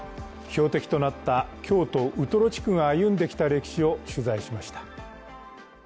標的となった京都・ウトロ地区が歩んできた歴史を取材しました。